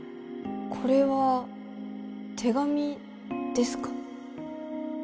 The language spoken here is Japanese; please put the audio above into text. これは手紙ですか？